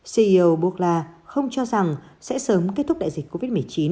ceo borla không cho rằng sẽ sớm kết thúc đại dịch covid một mươi chín